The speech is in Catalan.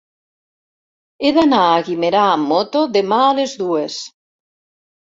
He d'anar a Guimerà amb moto demà a les dues.